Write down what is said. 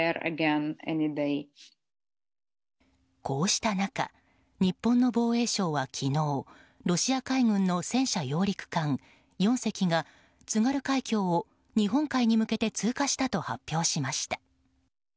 こうした中日本の防衛省は昨日ロシア海軍の戦車揚陸艦４隻が津軽海峡を日本海に向けて通過したと発表しました。